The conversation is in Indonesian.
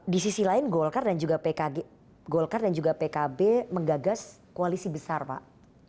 di sisi lain golkar dan golkar dan juga pkb menggagas koalisi besar pak